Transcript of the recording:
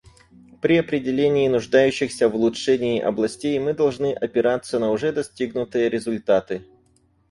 При определении нуждающихся в улучшении областей мы должны опираться на уже достигнутые результаты.